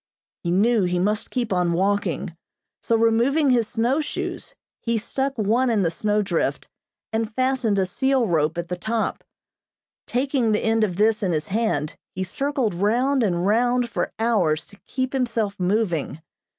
He knew he must keep on walking, so removing his snowshoes he stuck one in the snow drift and fastened a seal rope at the top. Taking the end of this in his hand, he circled round and round for hours to keep himself moving.